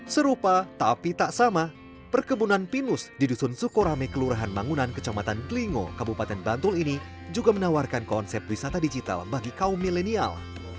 serupa tapi tak sama perkebunan pinus di dusun sukorame kelurahan mangunan kecamatan klingo kabupaten bantul ini juga menawarkan konsep wisata digital bagi kaum milenial